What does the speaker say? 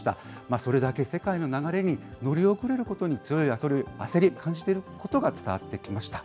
それだけ世界の流れに乗り遅れることに強い焦りを感じていることが伝わってきました。